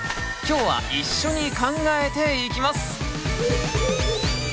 今日は一緒に考えていきます！